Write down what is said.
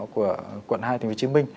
quận hai tp hcm